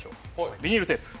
ビニールテープ。